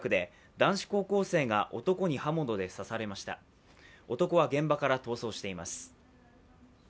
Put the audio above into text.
男は現場から逃走しています。